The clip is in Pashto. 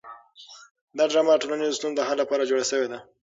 دا ډرامه د ټولنیزو ستونزو د حل لپاره جوړه شوې ده.